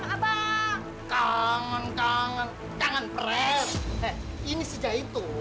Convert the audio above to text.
lala nggak boleh sedih